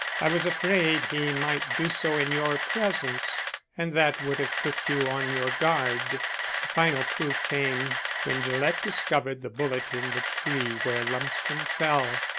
I was afraid he might do so in your presence and that would have put you on your guard. The final proof came when Gillett discovered the bullet in the tree where Lumsden fell.